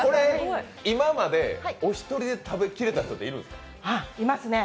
今までお一人で食べきれた人っているんですか？